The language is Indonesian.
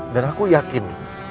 dan aku yakin